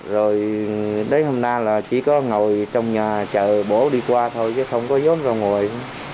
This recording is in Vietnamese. rồi đến hôm nay là chỉ có ngồi trong nhà chờ bố đi qua thôi chứ không có giống ra ngoài